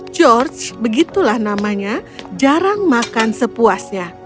george begitulah namanya jarang makan sepuasnya